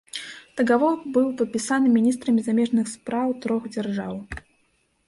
Дагавор быў падпісаны міністрамі замежных спраў трох дзяржаў.